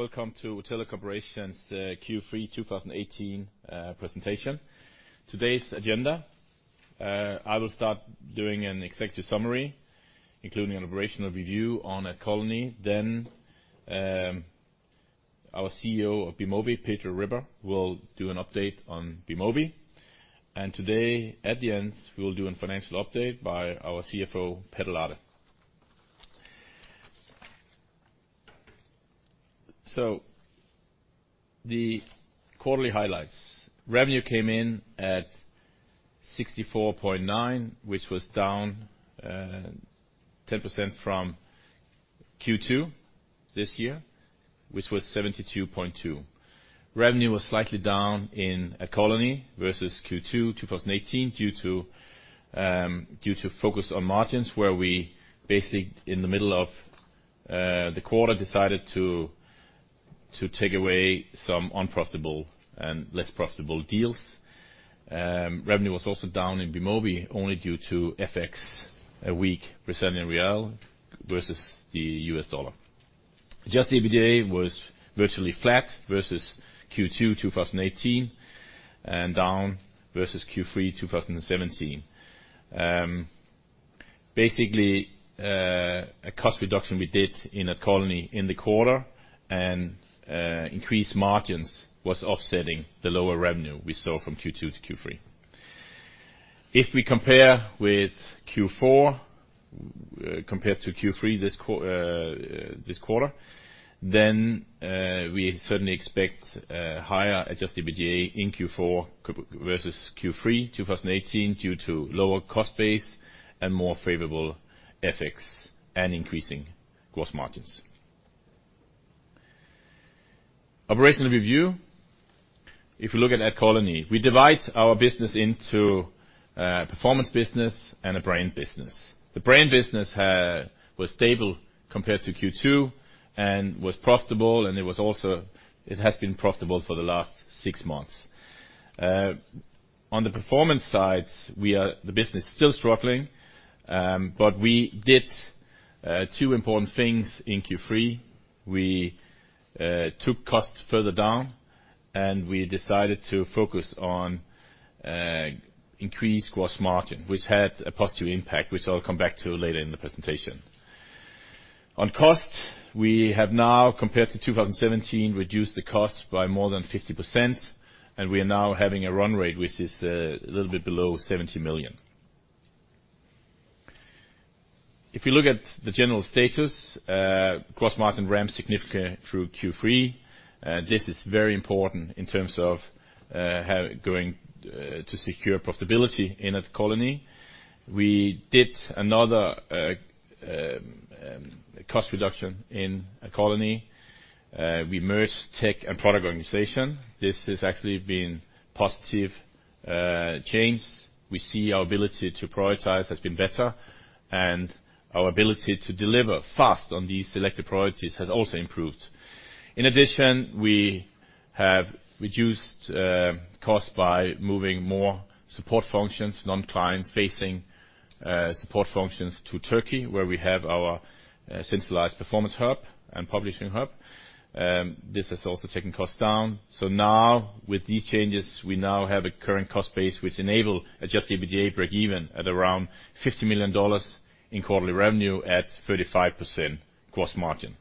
Good morning. Welcome to Otello Corporation's Q3 2018 presentation. Today's agenda. I will start doing an executive summary, including an operational review on AdColony. Then our CEO of Bemobi, Pedro Ripper, will do an update on Bemobi, and today at the end we will do a financial update by our CFO, Petter Lade. The quarterly highlights. Revenue came in at 64.9, which was down 10% from Q2 this year, which was 72.2. Revenue was slightly down in AdColony versus Q2 2018 due to focus on margins, where we basically in the middle of the quarter decided to take away some unprofitable and less profitable deals. Revenue was also down in Bemobi, only due to FX, a weak Brazilian real versus the US dollar. Adjusted EBITDA was virtually flat versus Q2 2018 and down versus Q3 2017. A cost reduction we did in AdColony in the quarter and increased margins was offsetting the lower revenue we saw from Q2 to Q3. If we compare with Q4 compared to Q3 this quarter, we certainly expect higher adjusted EBITDA in Q4 versus Q3 2018 due to lower cost base and more favorable FX and increasing gross margins. Operational review. If you look at AdColony, we divide our business into performance business and a brand business. The brand business was stable compared to Q2 and was profitable, and it has been profitable for the last six months. On the performance side, the business is still struggling, but we did two important things in Q3. We took costs further down, and we decided to focus on increased gross margin, which had a positive impact, which I will come back to later in the presentation. On cost, we have now, compared to 2017, reduced the cost by more than 50%, and we are now having a run rate, which is a little bit below 70 million. If you look at the general status, gross margin ramp significantly through Q3. This is very important in terms of going to secure profitability in AdColony. We did another cost reduction in AdColony. We merged tech and product organization. This has actually been positive change. We see our ability to prioritize has been better, and our ability to deliver fast on these selected priorities has also improved. In addition, we have reduced cost by moving more support functions, non-client facing support functions to Turkey, where we have our centralized performance hub and publishing hub. This has also taken cost down. Now with these changes, we now have a current cost base which enable adjusted EBITDA break even at around NOK 50 million in quarterly revenue at 35% gross margin.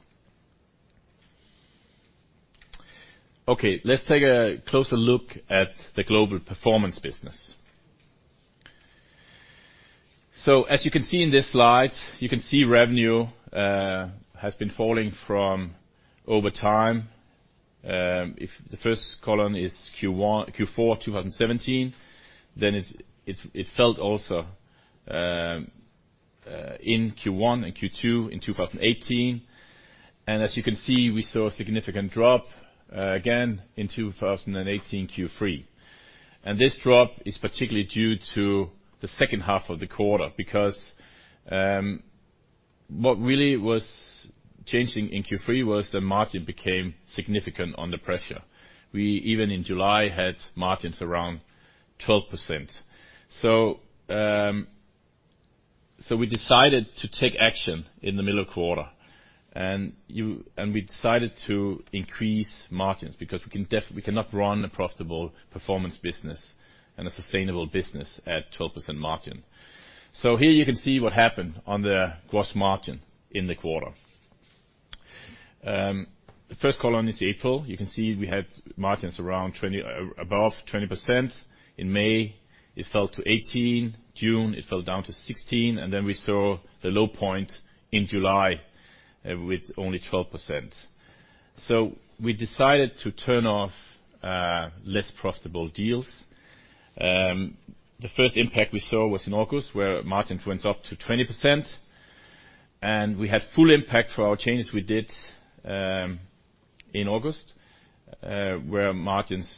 Let's take a closer look at the global performance business. As you can see in this slide, you can see revenue has been falling from over time. If the first column is Q4 2017, then it fell also in Q1 and Q2 in 2018. As you can see, we saw a significant drop again in 2018 Q3. This drop is particularly due to the second half of the quarter because what really was changing in Q3 was the margin became significant under pressure. We even in July had margins around 12%. We decided to take action in the middle of the quarter, we decided to increase margins because we cannot run a profitable performance business and a sustainable business at 12% margin. Here you can see what happened on the gross margin in the quarter. The first column is April. You can see we had margins above 20%. In May, it fell to 18%, June it fell down to 16%, and then we saw the low point in July with only 12%. We decided to turn off less profitable deals. The first impact we saw was in August where margins went up to 20% and we had full impact for our changes we did in August, where margins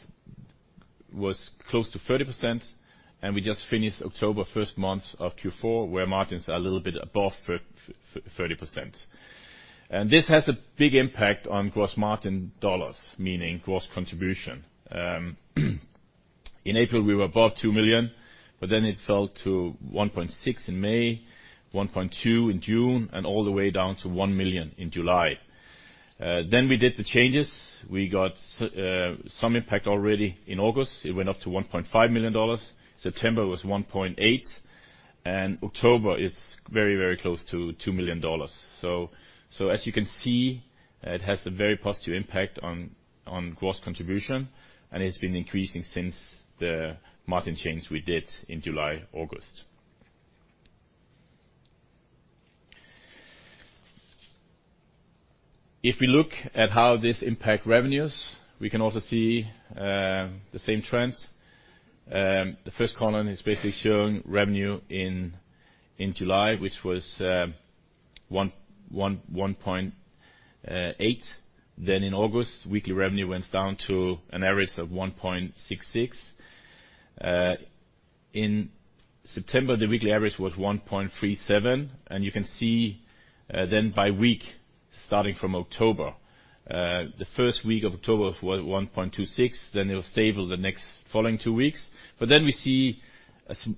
was close to 30% and we just finished October, the first month of Q4, where margins are a little bit above 30%. This has a big impact on gross margin dollars, meaning gross contribution. In April, we were above 2 million, it fell to 1.6 million in May, 1.2 million in June, and all the way down to 1 million in July. We did the changes. We got some impact already in August. It went up to NOK 1.5 million. September was 1.8 million, October, it's very close to NOK 2 million. As you can see, it has a very positive impact on gross contribution, and it's been increasing since the margin change we did in July-August. We look at how this impacts revenues, we can also see the same trends. The first column is basically showing revenue in July, which was 1.8 million. In August, weekly revenue went down to an average of 1.66 million. In September, the weekly average was 1.37 million. You can see then by week, starting from October, the first week of October was 1.26 million, it was stable the next following two weeks. We see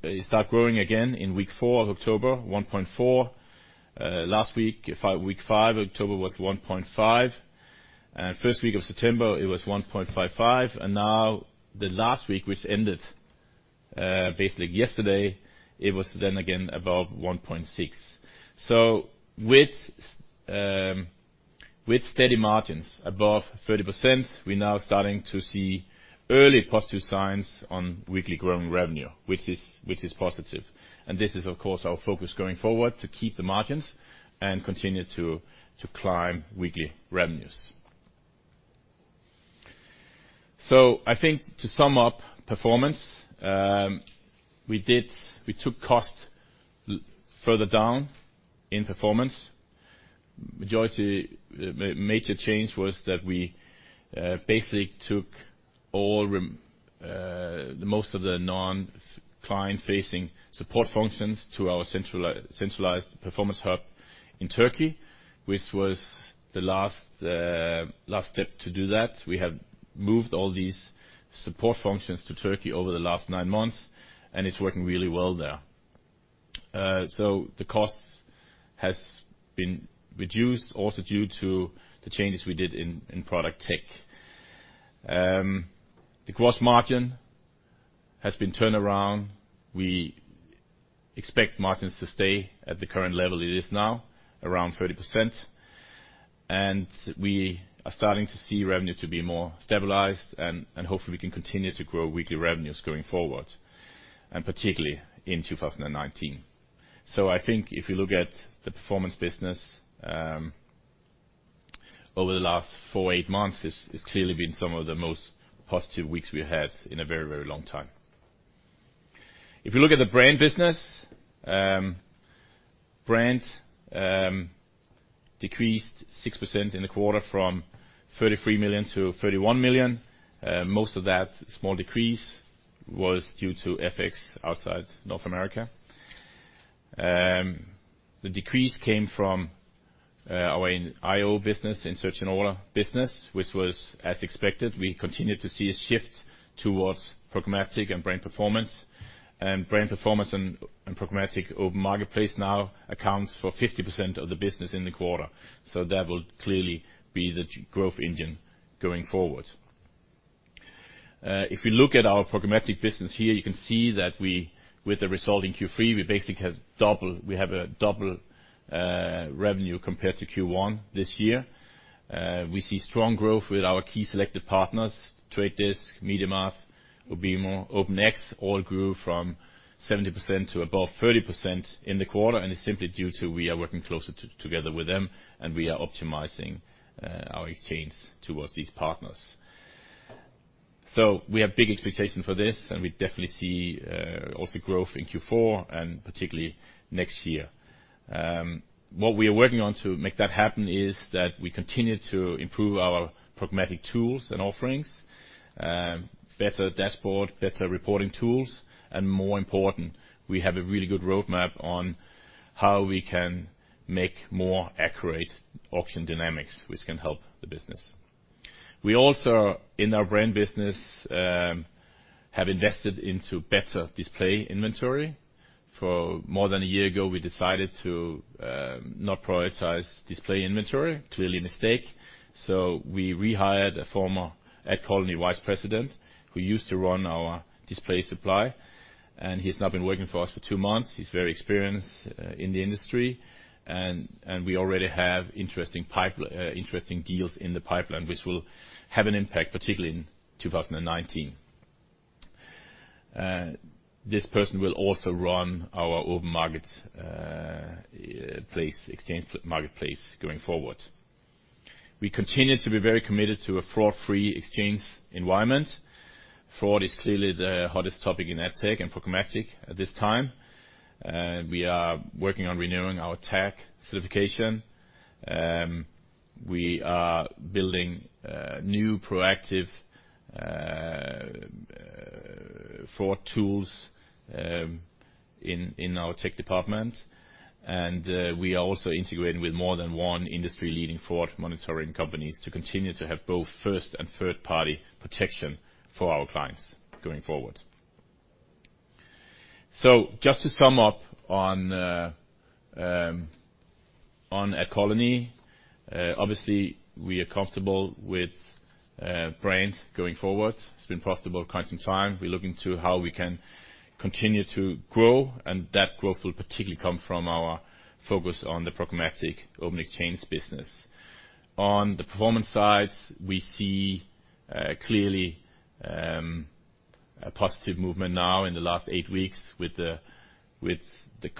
it start growing again in week four of October, 1.4 million. Last week five of October, was 1.5 million. First week of September, it was 1.55 million. Now the last week, which ended basically yesterday, it was again above 1.6 million. With steady margins above 30%, we're now starting to see early positive signs on weekly growing revenue, which is positive. This is, of course, our focus going forward, to keep the margins and continue to climb weekly revenues. To sum up performance, we took costs further down in performance. Major change was that we basically took most of the non-client-facing support functions to our centralized performance hub in Turkey, which was the last step to do that. We have moved all these support functions to Turkey over the last nine months, and it's working really well there. The costs have been reduced also due to the changes we did in product tech. The gross margin has been turned around. We expect margins to stay at the current level it is now, around 30%, we are starting to see revenue to be more stabilized, hopefully, we can continue to grow weekly revenues going forward, particularly in 2019. If you look at the performance business, over the last four-eight months, it's clearly been some of the most positive weeks we've had in a very long time. If you look at the brand business, brands decreased 6% in the quarter from 33 million to 31 million. Most of that small decrease was due to FX outside North America. The decrease came from our IO business, insertion order business, which was as expected. We continue to see a shift towards programmatic and brand performance. Brand performance and programmatic open marketplace now accounts for 50% of the business in the quarter. That will clearly be the growth engine going forward. If we look at our programmatic business here, you can see that with the result in Q3, we have a double revenue compared to Q1 this year. We see strong growth with our key selected partners, The Trade Desk, MediaMath, Ubimo, OpenX, all grew from 70% to above 30% in the quarter, and it's simply due to we are working closer together with them, and we are optimizing our exchange towards these partners. We have big expectations for this, and we definitely see also growth in Q4 and particularly next year. What we are working on to make that happen is that we continue to improve our programmatic tools and offerings, better dashboard, better reporting tools, and more important, we have a really good roadmap on how we can make more accurate auction dynamics, which can help the business. We also, in our brand business, have invested into better display inventory. More than a year ago, we decided to not prioritize display inventory, clearly a mistake. We rehired a former AdColony vice president who used to run our display supply, and he's now been working for us for two months. He's very experienced in the industry, and we already have interesting deals in the pipeline, which will have an impact, particularly in 2019. This person will also run our open marketplace exchange going forward. We continue to be very committed to a fraud-free exchange environment. Fraud is clearly the hottest topic in ad tech and programmatic at this time. We are working on renewing our tech certification. We are building new proactive fraud tools in our tech department. We are also integrating with more than one industry-leading fraud monitoring companies to continue to have both first and third-party protection for our clients going forward. Just to sum up on AdColony, obviously we are comfortable with brands going forward. It's been positive quite some time. We're looking to how we can continue to grow, and that growth will particularly come from our focus on the programmatic open exchange business. On the performance side, we see clearly a positive movement now in the last eight weeks with the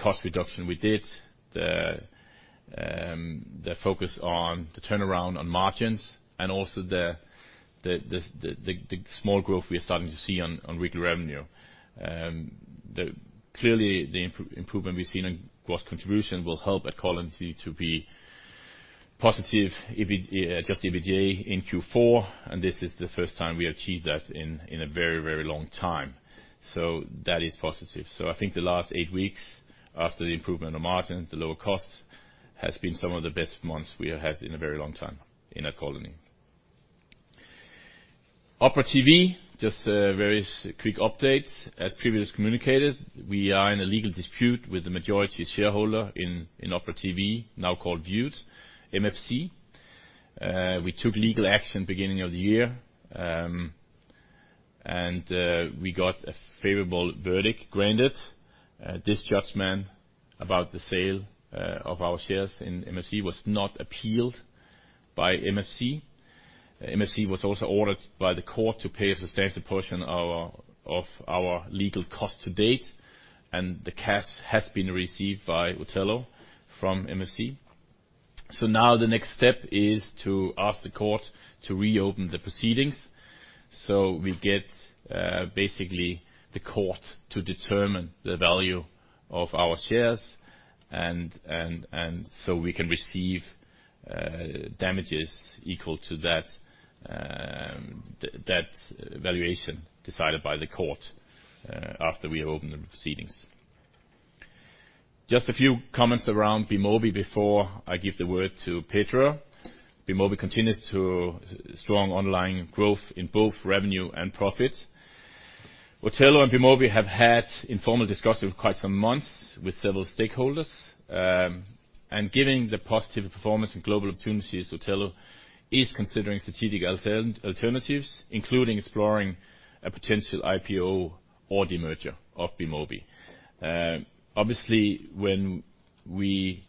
cost reduction we did, the focus on the turnaround on margins and also the small growth we are starting to see on weekly revenue. Clearly, the improvement we've seen in gross contribution will help AdColony to be positive, adjust EBITDA in Q4, and this is the first time we achieved that in a very long time. That is positive. I think the last eight weeks after the improvement of margin, the lower cost, has been some of the best months we have had in a very long time in AdColony. Opera TV, just a very quick update. As previously communicated, we are in a legal dispute with the majority shareholder in Opera TV now called Vewd, MFC. We took legal action the beginning of the year, and we got a favorable verdict granted. This judgment about the sale of our shares in MFC was not appealed by MFC. MFC was also ordered by the court to pay a substantial portion of our legal cost to date, and the cash has been received by Otello from MFC. Now the next step is to ask the court to reopen the proceedings. Basically the court to determine the value of our shares, and so we can receive damages equal to that valuation decided by the court, after we have opened the proceedings. Just a few comments around Bemobi before I give the word to Pedro. Bemobi continues to strong online growth in both revenue and profit. Otello and Bemobi have had informal discussions for quite some months with several stakeholders. Given the positive performance and global opportunities, Otello is considering strategic alternatives, including exploring a potential IPO or demerger of Bemobi. Obviously, when we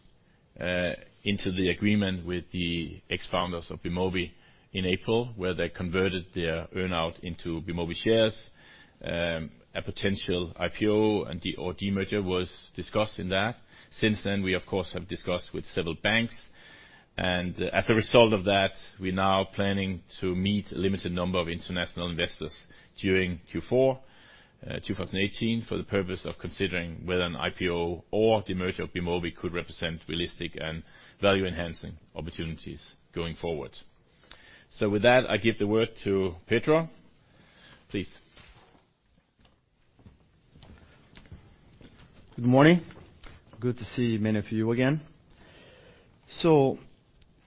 entered the agreement with the ex-founders of Bemobi in April, where they converted their earn-out into Bemobi shares, a potential IPO or demerger was discussed in that. Since then, we of course, have discussed with several banks. As a result of that, we're now planning to meet a limited number of international investors during Q4 2018, for the purpose of considering whether an IPO or demerger of Bemobi could represent realistic and value-enhancing opportunities going forward. With that, I give the word to Pedro. Please. Good morning. Good to see many of you again.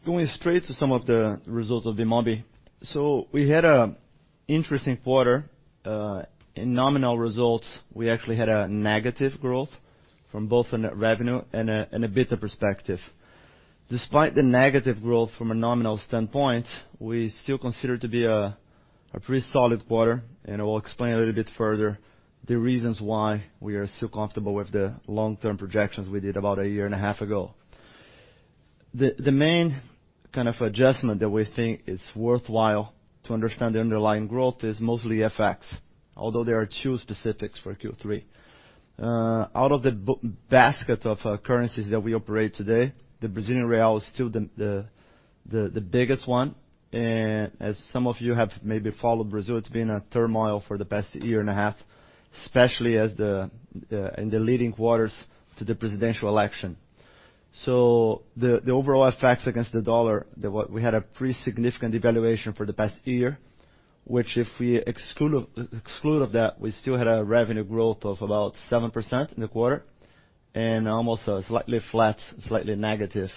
Going straight to some of the results of Bemobi. We had an interesting quarter, in nominal results we actually had a negative growth from both a net revenue and an EBITDA perspective. Despite the negative growth from a nominal standpoint, we still consider it to be a pretty solid quarter, and I will explain a little bit further the reasons why we are still comfortable with the long-term projections we did about a year and a half ago. The main kind of adjustment that we think is worthwhile to understand the underlying growth is mostly FX. Although there are two specifics for Q3. Out of the basket of currencies that we operate today, the Brazilian real is still the biggest one. As some of you have maybe followed Brazil, it's been in turmoil for the past year and a half, especially in the leading quarters to the presidential election. The overall effects against the US dollar, we had a pretty significant devaluation for the past year, which if we exclude of that, we still had a revenue growth of about 7% in the quarter, and almost a slightly flat, slightly negative,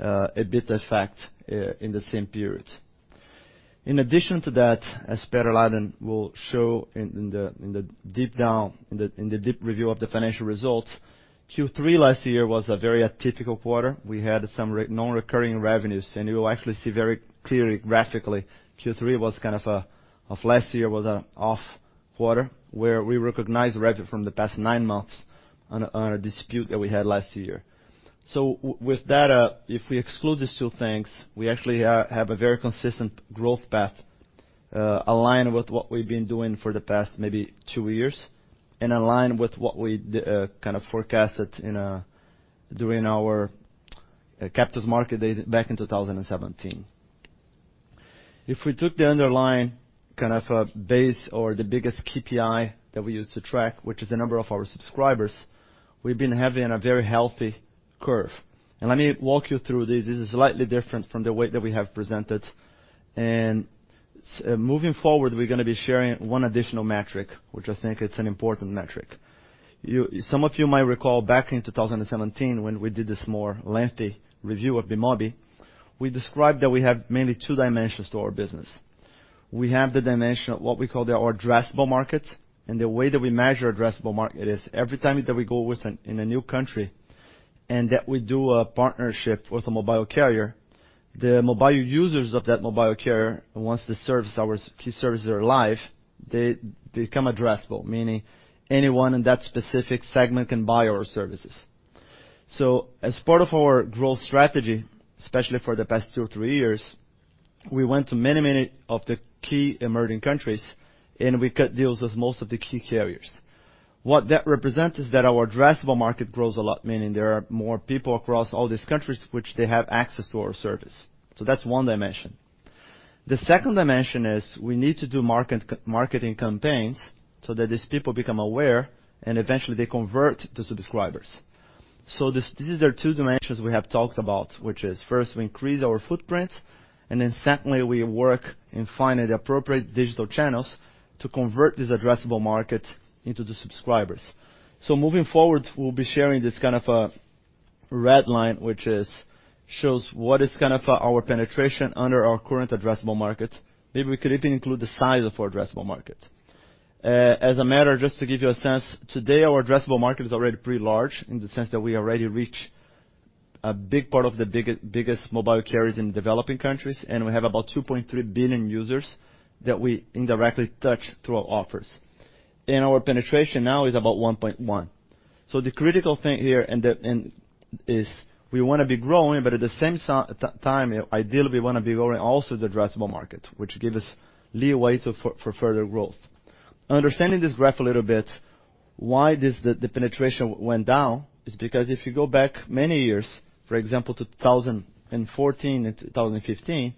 EBITDA effect in the same period. In addition to that, as Petter Lade will show in the deep review of the financial results, Q3 last year was a very atypical quarter. We had some non-recurring revenues, and you will actually see very clearly graphically, Q3 of last year was an off quarter where we recognized revenue from the past nine months on a dispute that we had last year. With that, if we exclude these two things, we actually have a very consistent growth path, aligned with what we've been doing for the past, maybe two years, and aligned with what we kind of forecasted during our Capital Markets Day back in 2017. If we took the underlying kind of a base or the biggest KPI that we use to track, which is the number of our subscribers, we've been having a very healthy curve. Let me walk you through this. This is slightly different from the way that we have presented. Moving forward, we're going to be sharing one additional metric, which I think it's an important metric. Some of you might recall back in 2017 when we did this more lengthy review of Bemobi, we described that we have mainly two dimensions to our business. We have the dimension of what we call our addressable market, and the way that we measure addressable market is every time that we go within a new country, and that we do a partnership with a mobile carrier, the mobile users of that mobile carrier, once the key service is alive, they become addressable, meaning anyone in that specific segment can buy our services. As part of our growth strategy, especially for the past two or three years, we went to many of the key emerging countries, and we cut deals with most of the key carriers. What that represents is that our addressable market grows a lot, meaning there are more people across all these countries which they have access to our service. That's one dimension. The second dimension is we need to do marketing campaigns so that these people become aware and eventually they convert to subscribers. These are two dimensions we have talked about, which is first we increase our footprint, and then secondly, we work in finding the appropriate digital channels to convert this addressable market into the subscribers. Moving forward, we'll be sharing this kind of a red line, which shows what is kind of our penetration under our current addressable market. Maybe we could even include the size of our addressable market. As a matter, just to give you a sense, today, our addressable market is already pretty large in the sense that we already reach a big part of the biggest mobile carriers in developing countries. We have about 2.3 billion users that we indirectly touch through our offers. Our penetration now is about 1.1. The critical thing here is we want to be growing, but at the same time, ideally, we want to be growing also the addressable market, which give us leeway for further growth. Understanding this graph a little bit, why the penetration went down is because if you go back many years, for example, 2014 and 2015,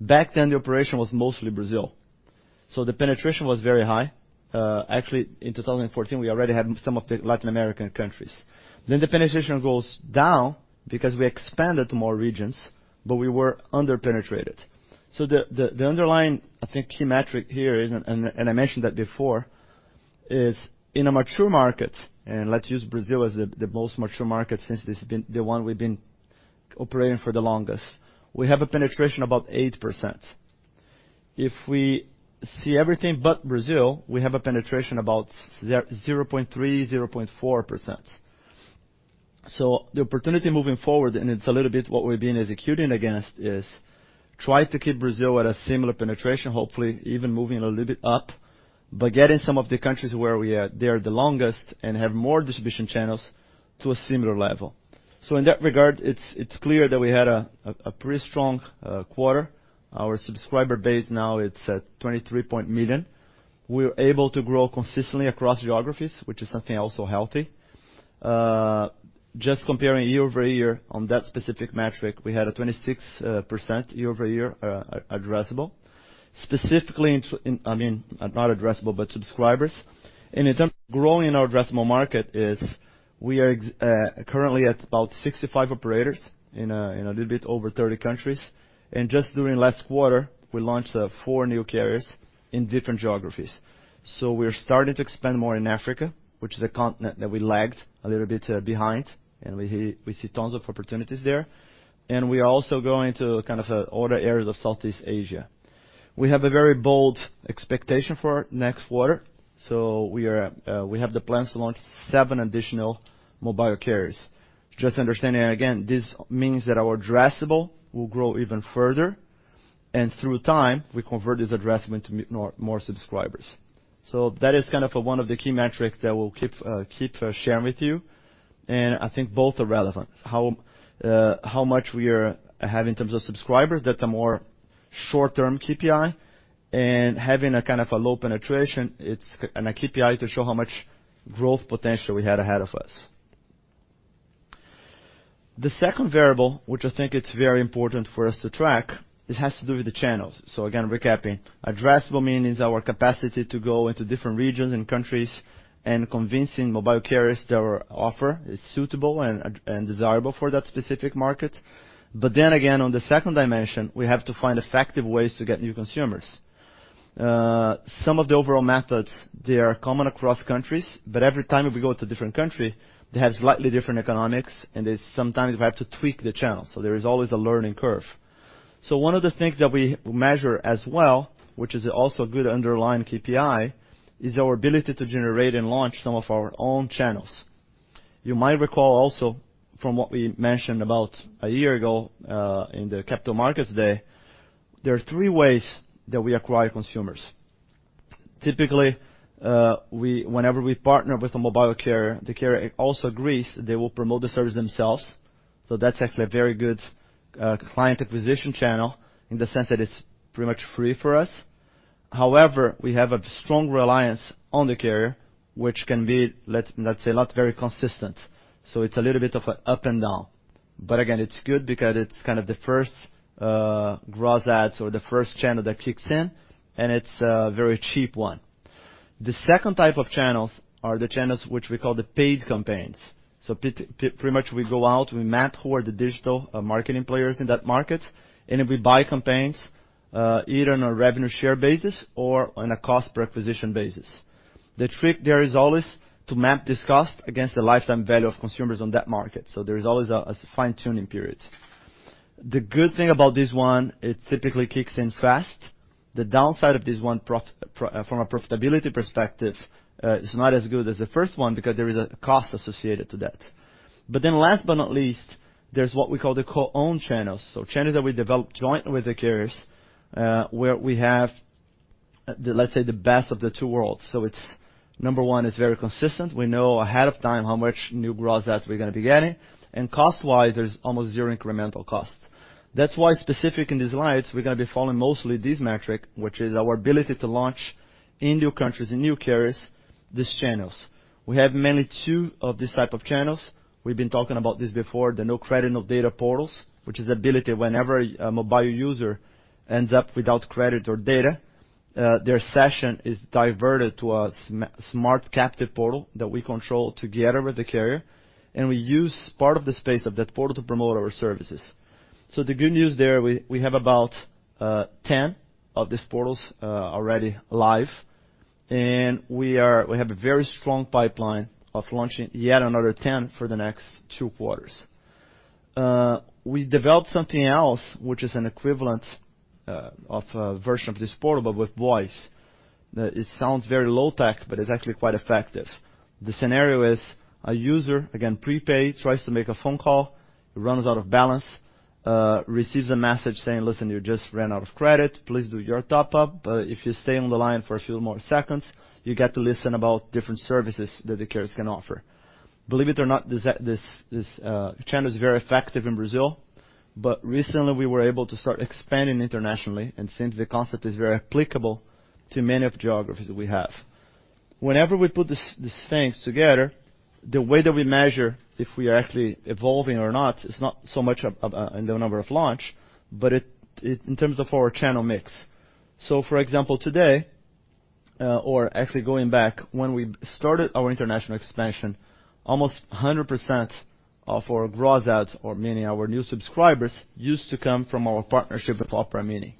back then the operation was mostly Brazil. The penetration was very high. Actually, in 2014, we already had some of the Latin American countries. The penetration goes down because we expanded to more regions, but we were under-penetrated. The underlying, I think, key metric here is, and I mentioned that before, is in a mature market, and let's use Brazil as the most mature market since this has been the one we've been operating for the longest. We have a penetration about 8%. If we see everything but Brazil, we have a penetration about 0.3%, 0.4%. The opportunity moving forward, and it's a little bit what we've been executing against is try to keep Brazil at a similar penetration, hopefully even moving a little bit up, but getting some of the countries where we are there the longest and have more distribution channels to a similar level. In that regard, it's clear that we had a pretty strong quarter. Our subscriber base now it's at 23 million. We were able to grow consistently across geographies, which is something also healthy. Just comparing year-over-year on that specific metric, we had a 26% year-over-year addressable. Specifically, I mean, not addressable, but subscribers. In terms of growing our addressable market is we are currently at about 65 operators in a little bit over 30 countries. Just during last quarter, we launched four new carriers in different geographies. We're starting to expand more in Africa, which is a continent that we lagged a little bit behind, and we see tons of opportunities there. We are also going to other areas of Southeast Asia. We have a very bold expectation for next quarter. We have the plans to launch seven additional mobile carriers. Just understanding again, this means that our addressable will grow even further, and through time, we convert this addressable into more subscribers. That is one of the key metrics that we'll keep sharing with you. I think both are relevant. How much we have in terms of subscribers, that's a more short-term KPI, and having a low penetration, it's a KPI to show how much growth potential we had ahead of us. The second variable, which I think it's very important for us to track, it has to do with the channels. Again, recapping. Addressable means our capacity to go into different regions and countries and convincing mobile carriers that our offer is suitable and desirable for that specific market. Again, on the second dimension, we have to find effective ways to get new consumers. Some of the overall methods, they are common across countries, but every time if we go to different country, they have slightly different economics, and they sometimes we have to tweak the channel. There is always a learning curve. One of the things that we measure as well, which is also a good underlying KPI, is our ability to generate and launch some of our own channels. You might recall also from what we mentioned about a year ago, in the Capital Market Day, there are three ways that we acquire consumers. Typically, whenever we partner with a mobile carrier, the carrier also agrees they will promote the service themselves. That's actually a very good client acquisition channel in the sense that it's pretty much free for us. However, we have a strong reliance on the carrier, which can be, let's say, not very consistent. It's a little bit of an up and down. Again, it's good because it's the first gross ads or the first channel that kicks in, and it's a very cheap one. The second type of channels are the channels which we call the paid campaigns. Pretty much we go out, we map who are the digital marketing players in that market, we buy campaigns, either on a revenue share basis or on a cost-per-acquisition basis. The trick there is always to map this cost against the lifetime value of consumers on that market. There is always a fine-tuning period. The good thing about this one, it typically kicks in fast. The downside of this one from a profitability perspective, is not as good as the first one because there is a cost associated to that. Last but not least, there's what we call the co-own channels. Channels that we develop jointly with the carriers, where we have, let's say, the best of the two worlds. It's, number one, it's very consistent. We know ahead of time how much new gross adds we're going to be getting. Cost-wise, there's almost zero incremental cost. That's why specific in these slides, we're going to be following mostly this metric, which is our ability to launch in new countries and new carriers, these channels. We have mainly two of these type 2 channels. We've been talking about this before, the no credit, no data portals, which is the ability whenever a mobile user ends up without credit or data, their session is diverted to a smart captive portal that we control together with the carrier, and we use part of the space of that portal to promote our services. The good news there, we have about 10 of these portals already live. We have a very strong pipeline of launching yet another 10 for the next two quarters. We developed something else, which is an equivalent of a version of this portal but with voice. It sounds very low-tech, but it's actually quite effective. The scenario is a user, again, prepaid, tries to make a phone call, runs out of balance, receives a message saying, "Listen, you just ran out of credit. Please do your top-up. If you stay on the line for a few more seconds, you get to listen about different services that the carriers can offer." Believe it or not, this channel is very effective in Brazil, but recently we were able to start expanding internationally, and since the concept is very applicable to many of the geographies that we have. Whenever we put these things together, the way that we measure if we are actually evolving or not is not so much in the number of launch, but in terms of our channel mix. For example, today-- or actually going back when we started our international expansion, almost 100% of our gross adds or mainly our new subscribers used to come from our partnership with Opera Mini.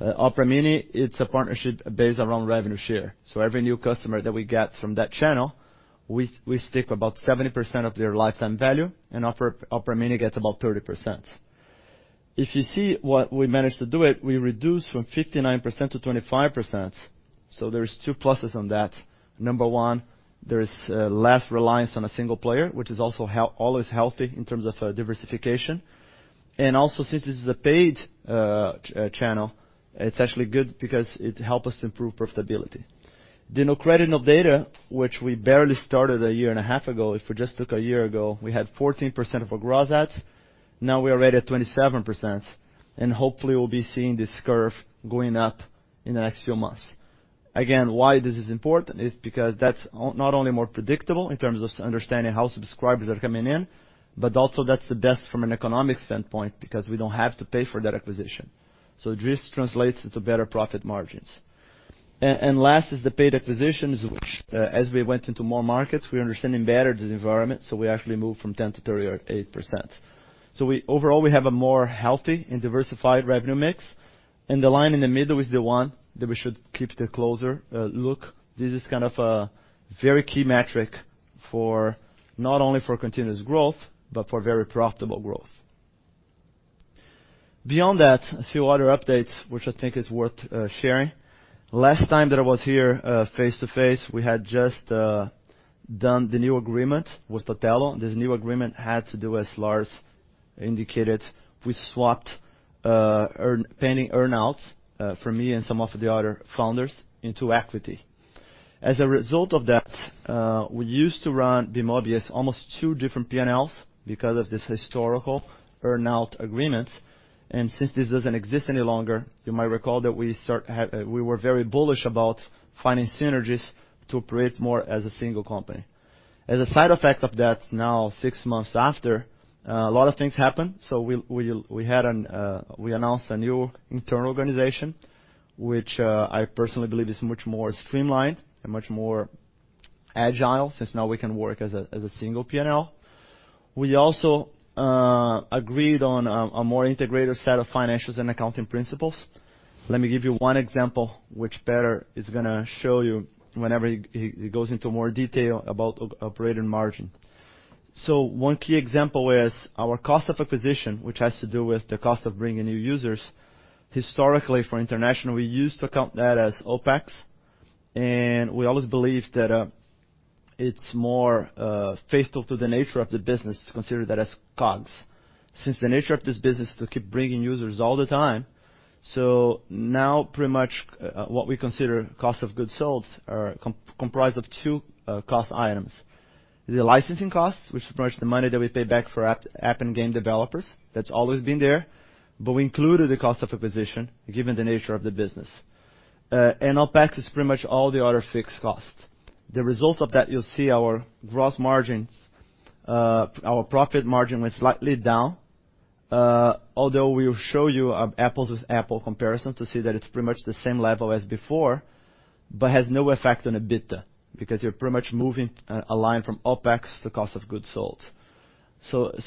Opera Mini, it's a partnership based around revenue share. Every new customer that we get from that channel, we stick about 70% of their lifetime value and Opera Mini gets about 30%. If you see what we managed to do, we reduced from 59% to 25%. There's two pluses on that. Number one, there is less reliance on a single player, which is also always healthy in terms of diversification. Since this is a paid channel, it's actually good because it help us to improve profitability. The no credit, no data, which we barely started a year and a half ago, if we just look a year ago, we had 14% of our gross adds. Now we're already at 27%, and hopefully we'll be seeing this curve going up in the next few months. Again, why this is important is because that's not only more predictable in terms of understanding how subscribers are coming in, but also that's the best from an economic standpoint because we don't have to pay for that acquisition. This translates into better profit margins. Last is the paid acquisitions, which, as we went into more markets, we're understanding better the environment, we actually moved from 10% to 38%. Overall, we have a more healthy and diversified revenue mix, and the line in the middle is the one that we should keep the closer look. This is a very key metric not only for continuous growth, but for very profitable growth. Beyond that, a few other updates which I think is worth sharing. Last time that I was here face-to-face, we had just done the new agreement with Otello. This new agreement had to do, as Lars indicated, we swapped pending earn-outs for me and some of the other founders into equity. As a result of that, we used to run Bemobi as almost two different P&Ls because of this historical earn-out agreement. Since this doesn't exist any longer, you might recall that we were very bullish about finding synergies to operate more as a single company. As a side effect of that now, six months after, a lot of things happened. We announced a new internal organization, which I personally believe is much more streamlined and much more agile, since now we can work as a single P&L. We also agreed on a more integrated set of financials and accounting principles. Let me give you one example which Petter is going to show you whenever he goes into more detail about operating margin. One key example is our cost of acquisition, which has to do with the cost of bringing new users. Historically, for international, we used to count that as OpEx, and we always believed that it's more faithful to the nature of the business to consider that as COGS. Since the nature of this business is to keep bringing users all the time, now pretty much what we consider cost of goods sold are comprised of two cost items. The licensing costs, which is pretty much the money that we pay back for app and game developers, that's always been there, but we included the cost of acquisition, given the nature of the business. OpEx is pretty much all the other fixed costs. The result of that, you'll see our profit margin went slightly down. Although we'll show you apples with apple comparison to see that it's pretty much the same level as before, but has no effect on EBITDA, because you're pretty much moving a line from OpEx to cost of goods sold.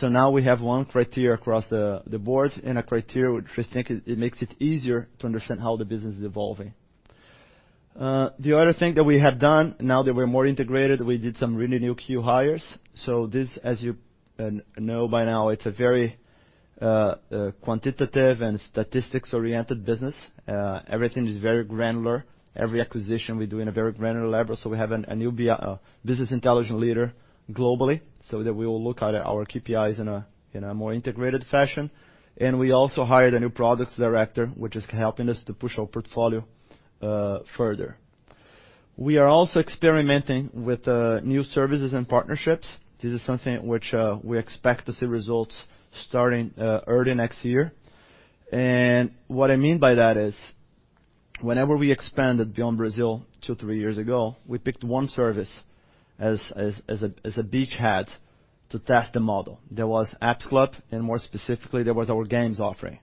Now we have one criteria across the board and a criteria which we think it makes it easier to understand how the business is evolving. The other thing that we had done now that we're more integrated, we did some really new key hires. This, as you know by now, it's a very quantitative and statistics-oriented business. Everything is very granular. Every acquisition we do in a very granular level. We have a new business intelligence leader globally so that we will look at our KPIs in a more integrated fashion. We also hired a new products director, which is helping us to push our portfolio further. We are also experimenting with new services and partnerships. This is something which we expect to see results starting early next year. What I mean by that is, whenever we expanded beyond Brazil two, three years ago, we picked one service as a beachhead to test the model. There was Apps Club, and more specifically, there was our games offering.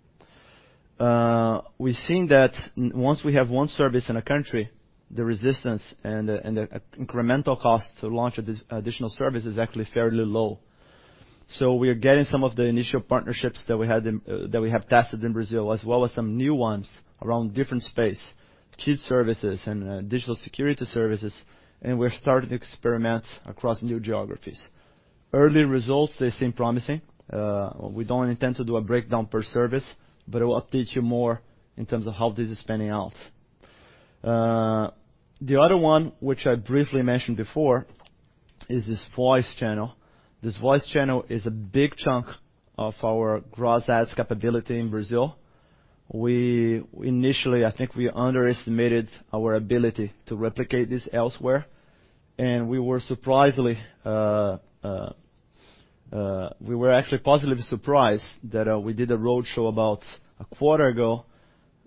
We've seen that once we have one service in a country, the resistance and the incremental cost to launch additional service is actually fairly low. We are getting some of the initial partnerships that we have tested in Brazil, as well as some new ones around different space, kids services and digital security services. We're starting to experiment across new geographies. Early results, they seem promising. We don't intend to do a breakdown per service, but we will update you more in terms of how this is panning out. The other one, which I briefly mentioned before, is this voice channel. This voice channel is a big chunk of our gross ads capability in Brazil. Initially, I think we underestimated our ability to replicate this elsewhere, and we were actually positively surprised that we did a roadshow about a quarter ago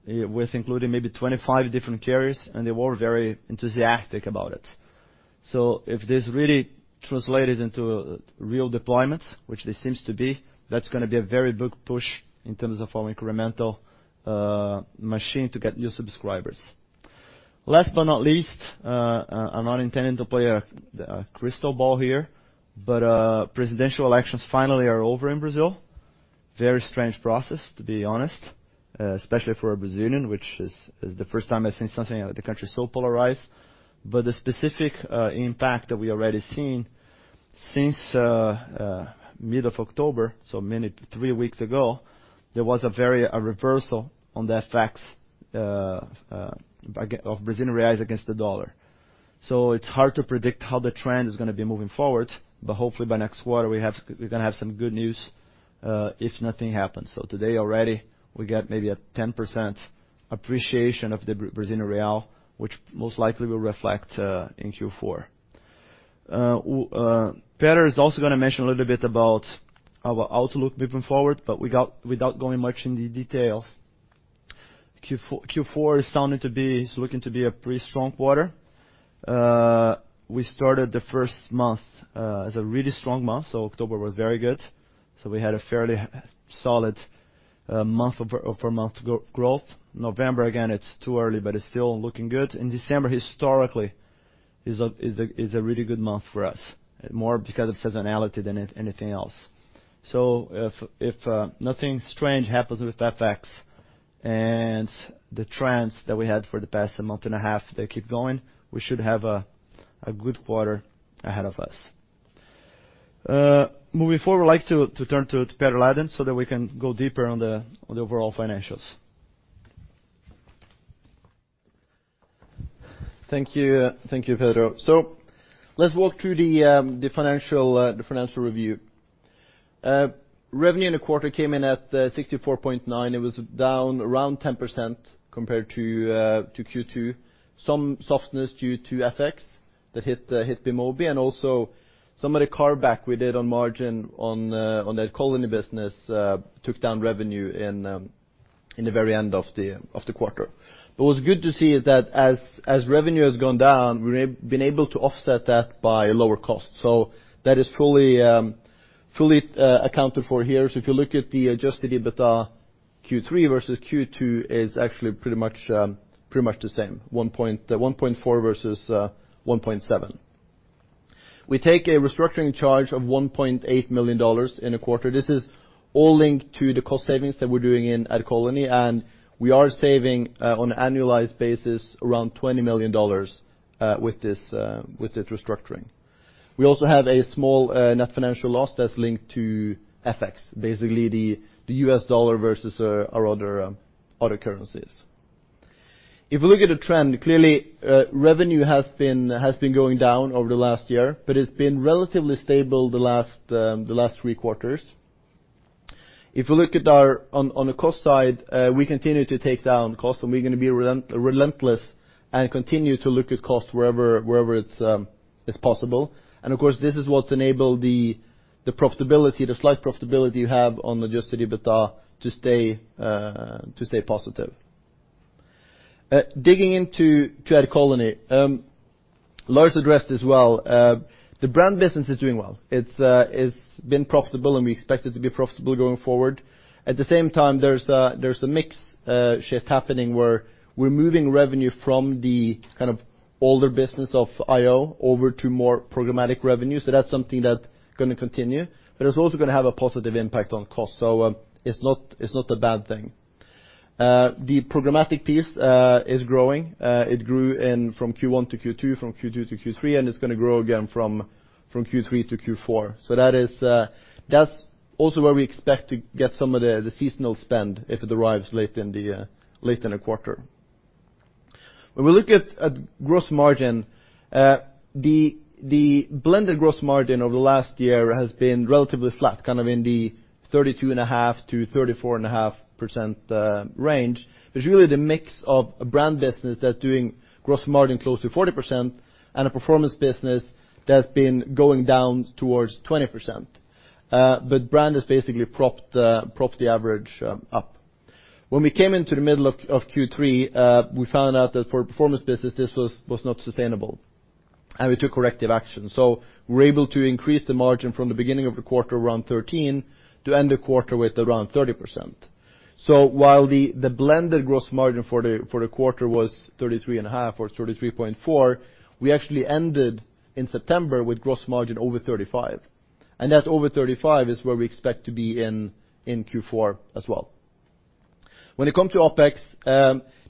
with including maybe 25 different carriers, and they were very enthusiastic about it. If this really translated into real deployments, which this seems to be, that's going to be a very big push in terms of our incremental machine to get new subscribers. Last but not least, I'm not intending to play a crystal ball here, but presidential elections finally are over in Brazil. Very strange process, to be honest, especially for a Brazilian, which is the first time I've seen something like the country so polarized. The specific impact that we already seen since mid of October, three weeks ago, there was a reversal on the effects of Brazilian reals against the USD. It's hard to predict how the trend is going to be moving forward, but hopefully by next quarter we're going to have some good news, if nothing happens. Today already, we got maybe a 10% appreciation of the Brazilian real, which most likely will reflect in Q4. Petter is also going to mention a little bit about our outlook moving forward, but without going much into details. Q4 is looking to be a pretty strong quarter. We started the first month as a really strong month, October was very good. We had a fairly solid month-over-month growth. November, again, it's too early, but it's still looking good. December, historically, is a really good month for us, more because of seasonality than anything else. If nothing strange happens with FX and the trends that we had for the past month and a half, they keep going, we should have a good quarter ahead of us. Moving forward, I'd like to turn to Petter Lade so that we can go deeper on the overall financials. Thank you, Pedro. Let's walk through the financial review. Revenue in the quarter came in at 64.9 million. It was down around 10% compared to Q2. Some softness due to FX that hit Bemobi and also some of the carve-back we did on margin on the AdColony business took down revenue in the very end of the quarter. What's good to see is that as revenue has gone down, we've been able to offset that by lower costs. That is fully accounted for here. If you look at the adjusted EBITDA, Q3 versus Q2 is actually pretty much the same, 1.4 million versus 1.7 million. We take a restructuring charge of NOK 1.8 million in a quarter. This is all linked to the cost savings that we're doing in AdColony, and we are saving on annualized basis around NOK 20 million with this restructuring. We also have a small net financial loss that's linked to FX, basically the US dollar versus our other currencies. If we look at the trend, clearly, revenue has been going down over the last year, but it's been relatively stable the last three quarters. If we look on the cost side, we continue to take down costs, and we're going to be relentless and continue to look at costs wherever it's possible. Of course, this is what's enabled the slight profitability you have on adjusted EBITDA to stay positive. Digging into AdColony. Lars addressed this well. The brand business is doing well. It's been profitable and we expect it to be profitable going forward. At the same time, there's a mix shift happening where we're moving revenue from the older business of IO over to more programmatic revenue. That's something that's going to continue, but it's also going to have a positive impact on cost. It's not a bad thing. The programmatic piece is growing. It grew from Q1 to Q2, from Q2 to Q3, and it's going to grow again from Q3 to Q4. That's also where we expect to get some of the seasonal spend if it arrives late in the quarter. When we look at gross margin, the blended gross margin over the last year has been relatively flat, kind of in the 32.5%-34.5% range, which is really the mix of a brand business that's doing gross margin close to 40% and a performance business that's been going down towards 20%. Brand has basically propped the average up. When we came into the middle of Q3, we found out that for our performance business, this was not sustainable, and we took corrective action. We're able to increase the margin from the beginning of the quarter around 13% to end the quarter with around 30%. While the blended gross margin for the quarter was 33.5% or 33.4%, we actually ended in September with gross margin over 35%. That over 35% is where we expect to be in Q4 as well. When it comes to OpEx,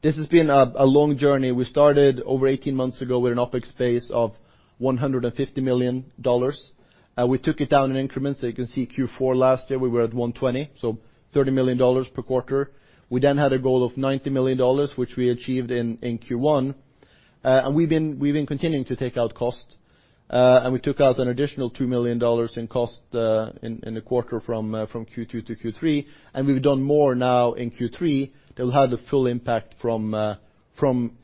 this has been a long journey. We started over 18 months ago with an OpEx base of $150 million. We took it down in increments. You can see Q4 last year, we were at $120 million, $30 million per quarter. We then had a goal of $90 million, which we achieved in Q1. We've been continuing to take out cost, and we took out an additional $2 million in cost in the quarter from Q2 to Q3, and we've done more now in Q3 that will have the full impact from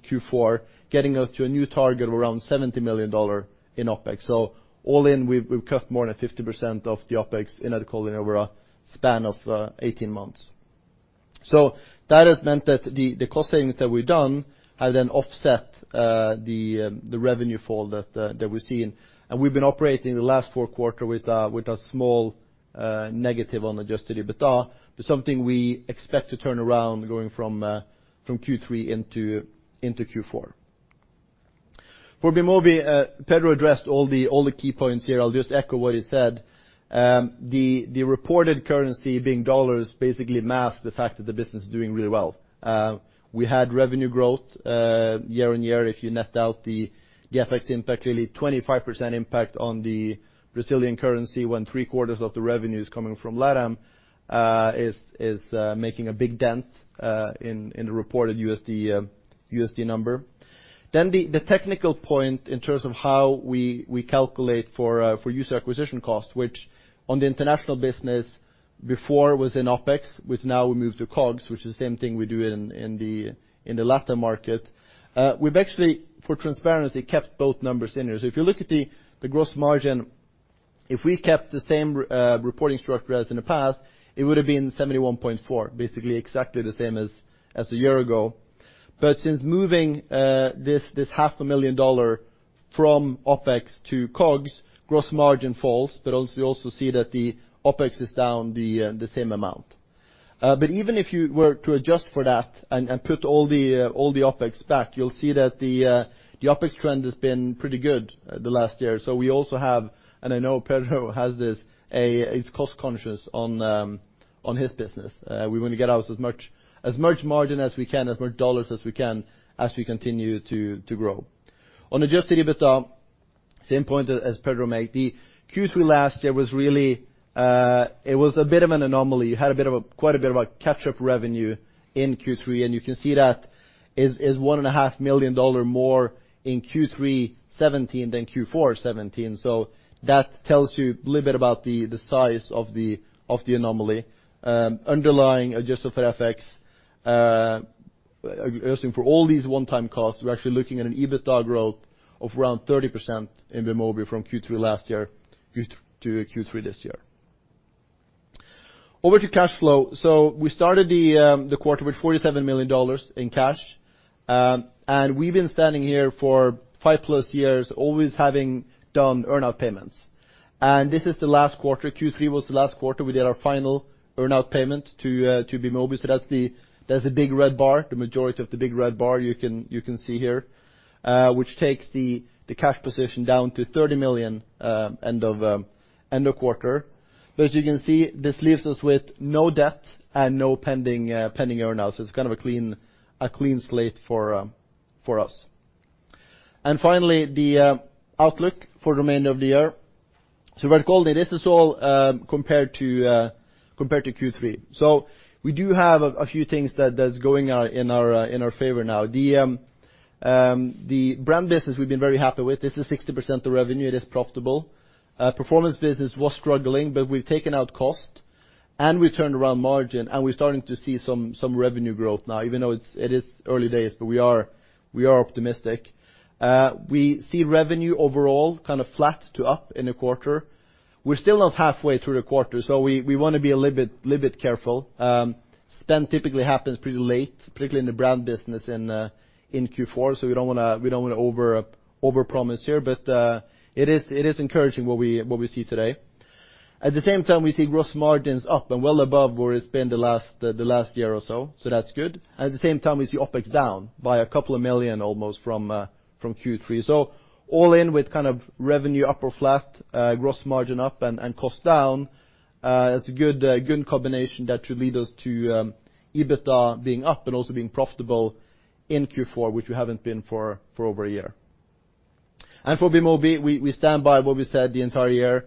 Q4, getting us to a new target of around $70 million in OpEx. All in, we've cut more than 50% of the OpEx in AdColony over a span of 18 months. That has meant that the cost savings that we've done have then offset the revenue fall that we've seen, and we've been operating the last four quarters with a small negative on adjusted EBITDA, but something we expect to turn around going from Q3 into Q4. For Bemobi, Pedro addressed all the key points here. I'll just echo what he said. The reported currency being dollars basically masks the fact that the business is doing really well. We had revenue growth year-on-year if you net out the FX impact. 25% impact on the Brazilian currency when three-quarters of the revenue is coming from LATAM is making a big dent in the reported USD number. The technical point in terms of how we calculate for user acquisition cost, which on the international business before was in OpEx, which now we moved to COGS, which is the same thing we do in the LATAM market. We've actually, for transparency, kept both numbers in here. If you look at the gross margin, if we kept the same reporting structure as in the past, it would have been 71.4%, basically exactly the same as a year ago. Since moving this half a million dollar from OpEx to COGS, gross margin falls, but you also see that the OpEx is down the same amount. Even if you were to adjust for that and put all the OpEx back, you'll see that the OpEx trend has been pretty good the last year. We also have, and I know Pedro has this, is cost conscious on his business. We want to get out as much margin as we can, as much dollars as we can, as we continue to grow. On adjusted EBITDA, same point as Pedro made. The Q3 last year it was a bit of an anomaly. You had quite a bit of a catch-up revenue in Q3, and you can see that is $1.5 million more in Q3 2017 than Q4 2017. That tells you a little bit about the size of the anomaly. Underlying adjusted for FX, adjusting for all these one-time costs, we're actually looking at an EBITDA growth of around 30% in Bemobi from Q3 last year to Q3 this year. Over to cash flow. We started the quarter with $47 million in cash. We've been standing here for five-plus years, always having done earn-out payments. This is the last quarter. Q3 was the last quarter we did our final earn-out payment to Bemobi. That's the big red bar, the majority of the big red bar you can see here, which takes the cash position down to $30 million end of quarter. As you can see, this leaves us with no debt and no pending earn-outs. It's kind of a clean slate for us. Finally, the outlook for the remainder of the year. AdColony, this is all compared to Q3. We do have a few things that's going in our favor now. The brand business we've been very happy with. This is 60% of revenue. It is profitable. Performance business was struggling, but we've taken out cost and we turned around margin and we're starting to see some revenue growth now, even though it is early days, but we are optimistic. We see revenue overall kind of flat to up in the quarter. We're still not halfway through the quarter, so we want to be a little bit careful. Spend typically happens pretty late, particularly in the brand business in Q4. We don't want to overpromise here, but it is encouraging what we see today. At the same time, we see gross margins up and well above where it's been the last year or so. That's good. At the same time, we see OpEx down by a couple of million almost from Q3. All in with kind of revenue up or flat, gross margin up and cost down, it's a good combination that should lead us to EBITDA being up and also being profitable in Q4, which we haven't been for over a year. For Bemobi, we stand by what we said the entire year.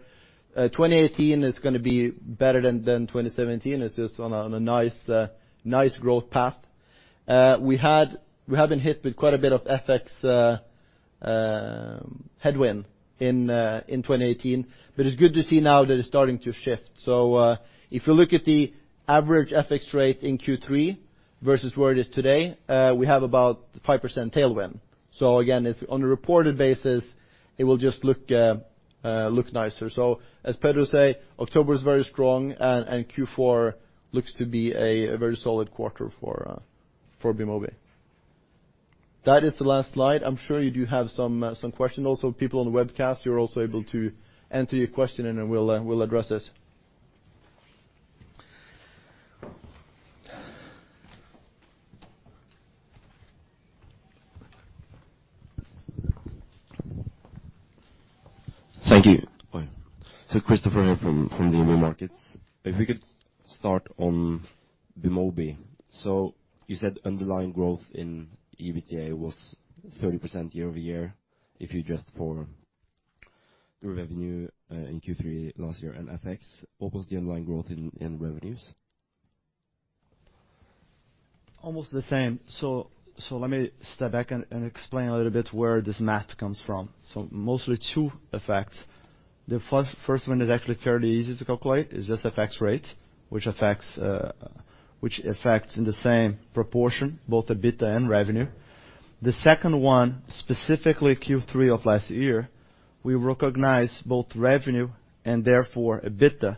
2018 is going to be better than 2017. It's just on a nice growth path. We have been hit with quite a bit of FX headwind in 2018, but it's good to see now that it's starting to shift. If you look at the average FX rate in Q3 versus where it is today, we have about 5% tailwind. Again, it's on a reported basis, it will just look nicer. As Pedro say, October is very strong and Q4 looks to be a very solid quarter for Bemobi. That is the last slide. I'm sure you do have some questions. Also, people on the webcast, you're also able to enter your question in and we'll address it. Thank you. Christopher here from DNB Markets. If we could start on Bemobi. You said underlying growth in EBITDA was 30% year-over-year. If you adjust for the revenue in Q3 last year and FX, what was the underlying growth in revenues? Almost the same. Let me step back and explain a little bit where this math comes from. Mostly two effects. The first one is actually fairly easy to calculate, is just FX rates, which affects in the same proportion both EBITDA and revenue. The second one, specifically Q3 of last year, we recognize both revenue and therefore EBITDA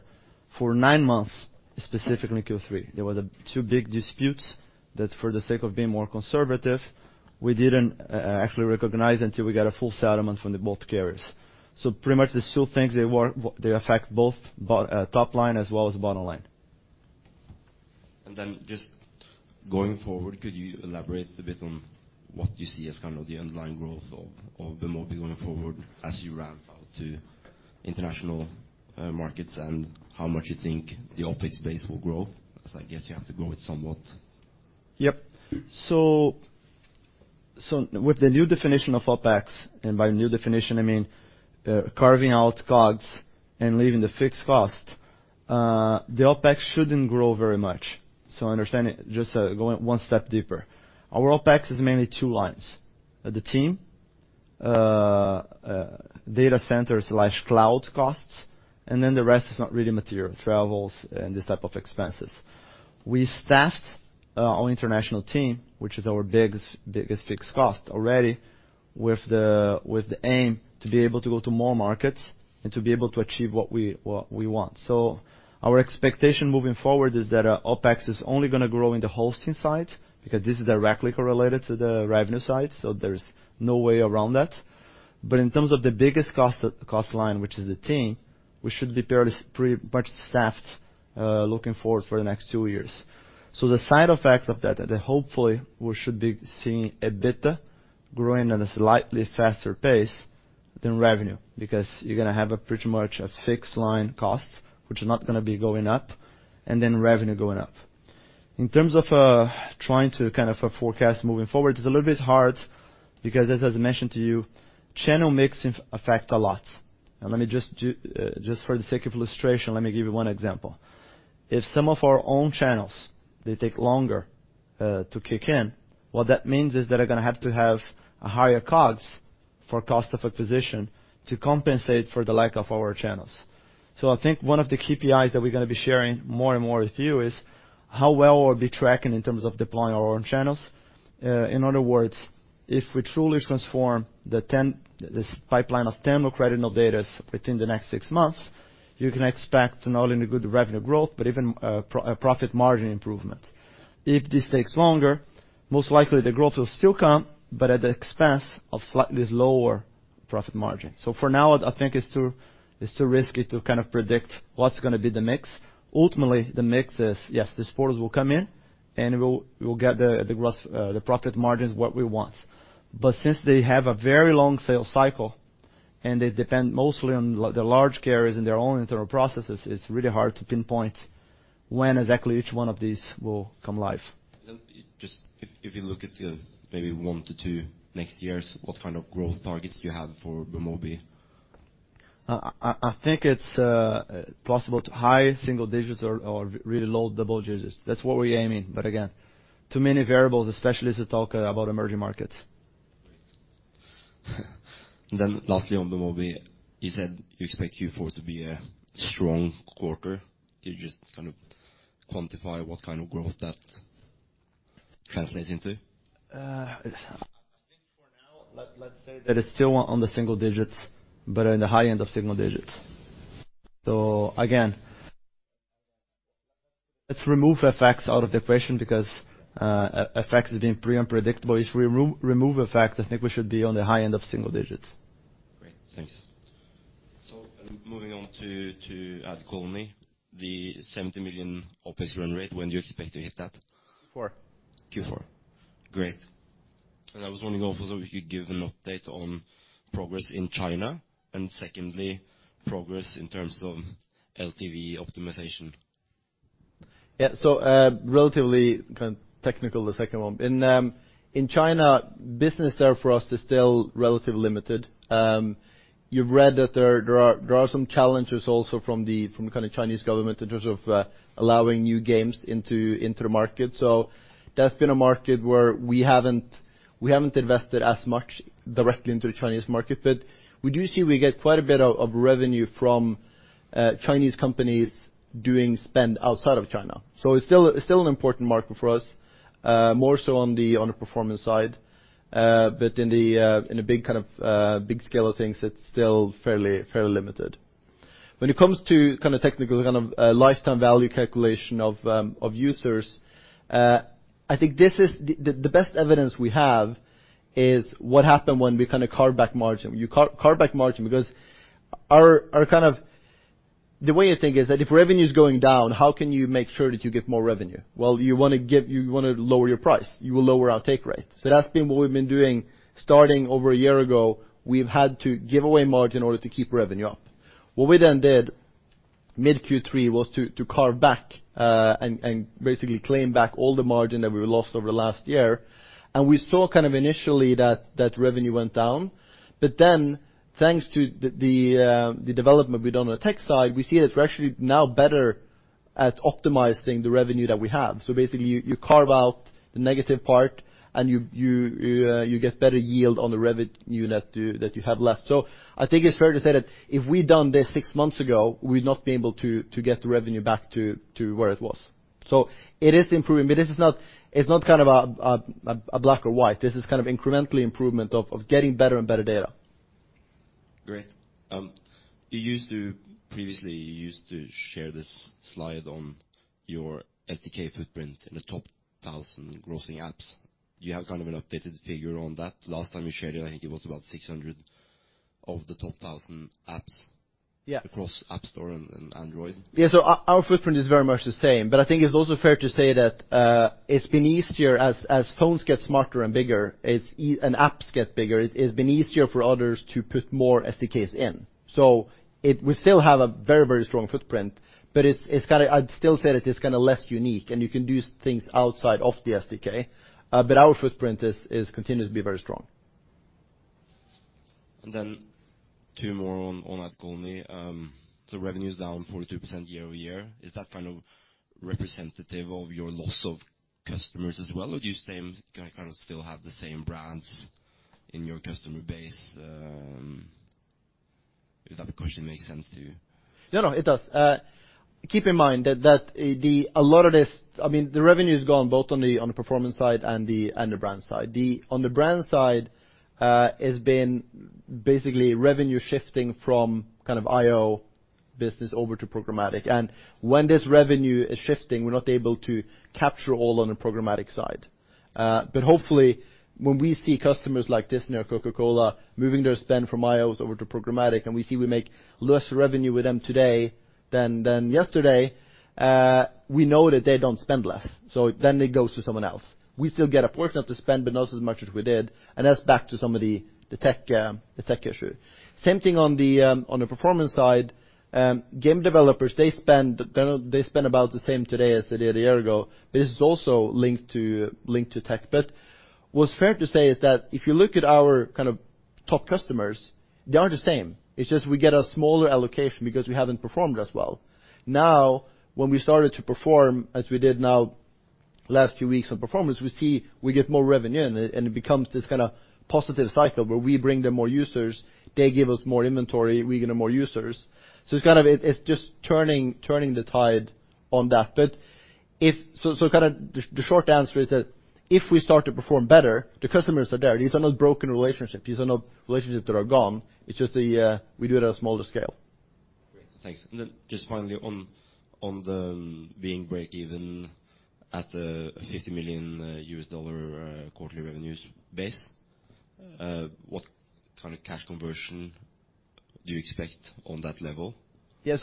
for nine months, specifically Q3. There was two big disputes that for the sake of being more conservative, we didn't actually recognize until we got a full settlement from the both carriers. Pretty much these two things, they affect both top line as well as bottom line. Then just going forward, could you elaborate a bit on what you see as kind of the underlying growth of Bemobi going forward as you ramp out to international markets and how much you think the OpEx base will grow? Because I guess you have to grow it somewhat. Yep. With the new definition of OpEx, and by new definition, I mean, carving out COGS and leaving the fixed cost, the OpEx shouldn't grow very much. Understand it, just going one step deeper. Our OpEx is mainly two lines. The team, data centers/cloud costs, and then the rest is not really material, travels and this type of expenses. We staffed our international team, which is our biggest fixed cost already with the aim to be able to go to more markets and to be able to achieve what we want. Our expectation moving forward is that our OpEx is only going to grow in the hosting side because this is directly correlated to the revenue side, there's no way around that. In terms of the biggest cost line, which is the team, we should be pretty much staffed, looking forward for the next two years. The side effect of that hopefully we should be seeing EBITDA growing at a slightly faster pace than revenue, because you're going to have a pretty much a fixed-line cost, which is not going to be going up, and then revenue going up. In terms of trying to kind of forecast moving forward, it's a little bit hard because as I mentioned to you, channel mixing affect a lot. Let me just for the sake of illustration, let me give you one example. If some of our own channels, they take longer to kick in, what that means is that they're going to have to have a higher COGS for cost of acquisition to compensate for the lack of our channels. I think one of the KPIs that we're going to be sharing more and more with you is how well we'll be tracking in terms of deploying our own channels. In other words, if we truly transform this pipeline of 10 no credit no data portals within the next six months, you can expect not only a good revenue growth, but even a profit margin improvement. If this takes longer, most likely the growth will still come, but at the expense of slightly lower profit margin. For now, I think it's too risky to kind of predict what's going to be the mix. Ultimately, the mix is, yes, these portals will come in and we'll get the profit margins what we want. Since they have a very long sales cycle and they depend mostly on the large carriers and their own internal processes, it's really hard to pinpoint when exactly each one of these will come live. Just if you look at maybe one to two next years, what kind of growth targets do you have for Bemobi? I think it's possible to high single digits or really low double digits. That's what we're aiming. Again, too many variables, especially as you talk about emerging markets. Lastly, on Bemobi, you said you expect Q4 to be a strong quarter. Can you just kind of quantify what kind of growth translates into? I think for now, let's say that it's still on the single digits, but in the high end of single digits. Again, let's remove FX out of the equation, because FX has been pretty unpredictable. If we remove FX, I think we should be on the high end of single digits. Great. Thanks. Moving on to AdColony, the 70 million OpEx run rate, when do you expect to hit that? Four. Q4. Great. I was wondering also if you could give an update on progress in China, and secondly, progress in terms of LTV optimization. Yeah. Relatively technical, the second one. In China, business there for us is still relatively limited. You've read that there are some challenges also from the Chinese government in terms of allowing new games into the market. That's been a market where we haven't invested as much directly into the Chinese market, but we do see we get quite a bit of revenue from Chinese companies doing spend outside of China. It's still an important market for us. More so on the performance side. In the big scale of things, it's still fairly limited. When it comes to technical lifetime value calculation of users, I think the best evidence we have is what happened when we carve back margin. You carve back margin because the way you think is that if revenue's going down, how can you make sure that you get more revenue? Well, you want to lower your price. You will lower our take rate. That's been what we've been doing starting over a year ago. We've had to give away margin in order to keep revenue up. What we then did mid Q3 was to carve back, and basically claim back all the margin that we lost over the last year. We saw initially that revenue went down. Thanks to the development we've done on the tech side, we see that we're actually now better at optimizing the revenue that we have. Basically, you carve out the negative part and you get better yield on the revenue that you have left. I think it's fair to say that if we'd done this 6 months ago, we'd not be able to get the revenue back to where it was. It is improving, but this is not a black or white. This is incrementally improvement of getting better and better data. Great. You previously used to share this slide on your SDK footprint in the top 1,000 grossing apps. Do you have an updated figure on that? Last time you shared it, I think it was about 600 of the top 1,000 apps. Yeah across App Store and Android. Yeah. Our footprint is very much the same, but I think it's also fair to say that it's been easier as phones get smarter and bigger, and apps get bigger, it has been easier for others to put more SDKs in. We still have a very strong footprint, but I'd still say that it's less unique and you can do things outside of the SDK. Our footprint continues to be very strong. Two more on AdColony. Revenue's down 42% year-over-year. Is that representative of your loss of customers as well? Do you still have the same brands in your customer base? If that question makes sense to you. No, it does. Keep in mind that the revenue is gone both on the performance side and the brand side. On the brand side, it's been basically revenue shifting from IO business over to programmatic. When this revenue is shifting, we're not able to capture all on the programmatic side. Hopefully when we see customers like Disney or Coca-Cola moving their spend from IOs over to programmatic, and we see we make less revenue with them today than yesterday, we know that they don't spend less. It goes to someone else. We still get a portion of the spend, but not as much as we did. That's back to some of the tech issue. Same thing on the performance side. Game developers, they spend about the same today as they did a year ago, but this is also linked to tech. What's fair to say is that if you look at our top customers, they aren't the same. It's just we get a smaller allocation because we haven't performed as well. Now, when we started to perform as we did now last few weeks on performance, we see we get more revenue in and it becomes this positive cycle where we bring them more users, they give us more inventory, we get more users. It's just turning the tide on that. The short answer is that if we start to perform better, the customers are there. These are not broken relationships. These are not relationships that are gone. It's just we do it at a smaller scale. Great. Thanks. Just finally on the being breakeven at a NOK 50 million quarterly revenues base, what kind of cash conversion do you expect on that level? Yeah.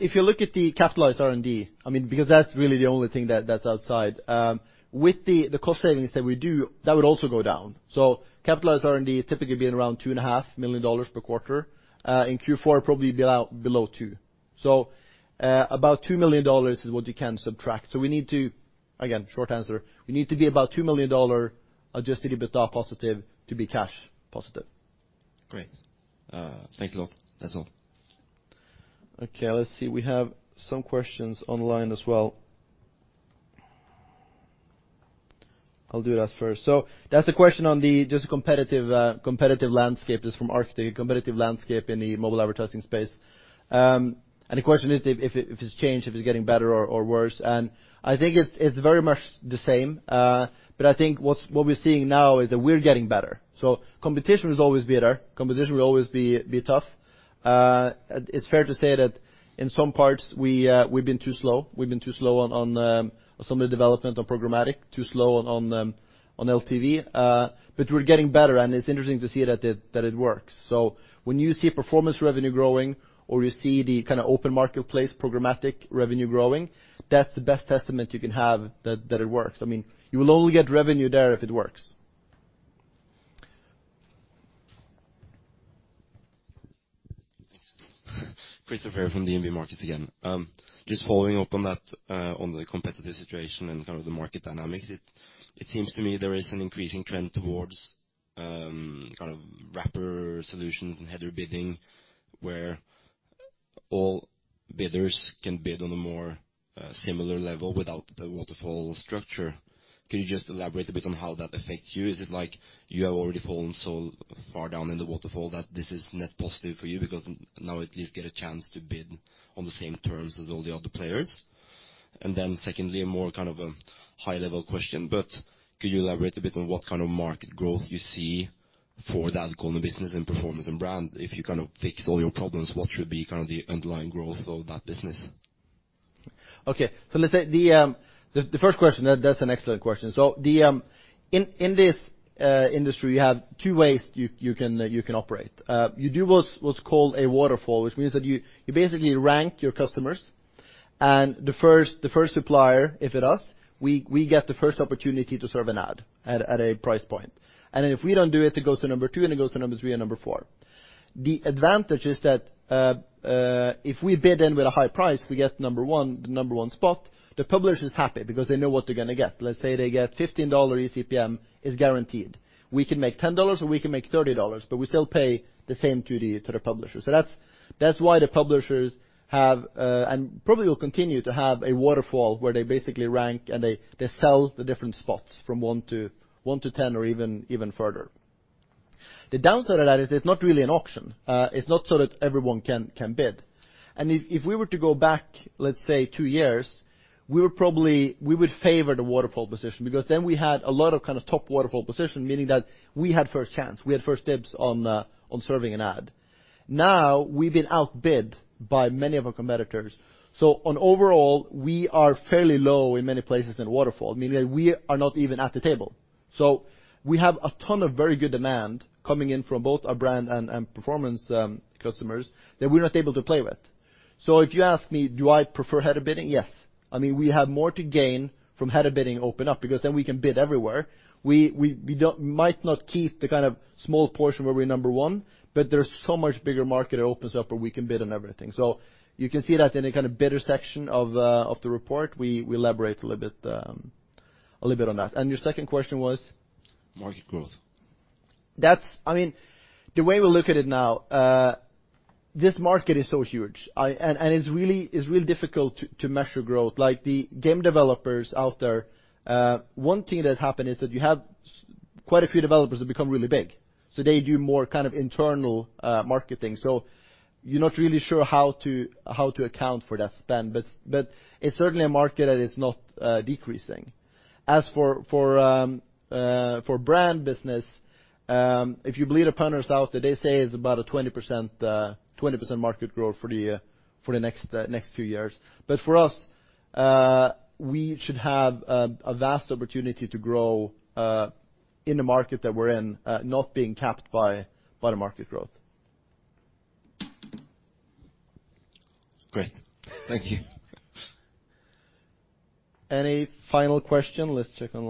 If you look at the capitalized R&D, because that's really the only thing that's outside. With the cost savings that we do, that would also go down. Capitalized R&D typically being around NOK 2.5 million per quarter. In Q4, it'd probably be below two. About NOK 2 million is what you can subtract. We need to, again, short answer, we need to be about NOK 2 million adjusted EBITDA positive to be cash positive. Great. Thanks a lot. That's all. Okay, let's see. We have some questions online as well. I'll do that first. That's the question on just the competitive landscape. That's from Arctic, the competitive landscape in the mobile advertising space. The question is if it's changed, if it's getting better or worse, I think it's very much the same. I think what we're seeing now is that we're getting better. Competition is always better. Competition will always be tough. It's fair to say that in some parts, we've been too slow. We've been too slow on some of the development of programmatic, too slow on LTV. We're getting better, and it's interesting to see that it works. When you see performance revenue growing, or you see the kind of open marketplace programmatic revenue growing, that's the best testament you can have that it works. I mean, you will only get revenue there if it works. Thanks. Christopher from DNB Markets again. Just following up on that, on the competitive situation and kind of the market dynamics. It seems to me there is an increasing trend towards kind of wrapper solutions and header bidding where all bidders can bid on a more similar level without the waterfall structure. Can you just elaborate a bit on how that affects you? Is it like you have already fallen so far down in the waterfall that this is net positive for you because now at least get a chance to bid on the same terms as all the other players? Secondly, more kind of a high-level question, but could you elaborate a bit on what kind of market growth you see for that corner business in performance and brand? If you kind of fix all your problems, what should be kind of the underlying growth of that business? Okay. Let's say the first question, that's an excellent question. In this industry, you have two ways you can operate. You do what's called a waterfall, which means that you basically rank your customers, and the first supplier, if it us, we get the first opportunity to serve an ad at a price point. If we don't do it goes to number 2 and it goes to number 3 and number 4. The advantage is that, if we bid in with a high price, we get the number 1 spot. The publisher is happy because they know what they're going to get. Let's say they get $15 eCPM is guaranteed. We can make $10 or we can make $30, but we still pay the same duty to the publisher. That's why the publishers have, and probably will continue to have a waterfall where they basically rank and they sell the different spots from 1 to 10 or even further. The downside of that is it's not really an auction. It's not so that everyone can bid. If we were to go back, let's say, two years, we would favor the waterfall position because then we had a lot of kind of top waterfall position, meaning that we had first chance. We had first dibs on serving an ad. Now we've been outbid by many of our competitors. On overall, we are fairly low in many places in the waterfall, meaning that we are not even at the table. We have a ton of very good demand coming in from both our brand and performance customers that we're not able to play with. If you ask me, do I prefer header bidding? Yes. I mean, we have more to gain from header bidding open up, because then we can bid everywhere. We might not keep the kind of small portion where we're number 1, but there's so much bigger market that opens up where we can bid on everything. You can see that in a kind of bidder section of the report, we elaborate a little bit on that. Your second question was? Market growth. The way we look at it now, this market is so huge. It's really difficult to measure growth. Like the game developers out there, one thing that happened is that you have quite a few developers that become really big. They do more kind of internal marketing. You're not really sure how to account for that spend. It's certainly a market that is not decreasing. As for brand business, if you believe the partners out there, they say it's about a 20% market growth for the next few years. For us, we should have a vast opportunity to grow, in the market that we're in, not being capped by the market growth. Great. Thank you. Any final question? Let's check on line.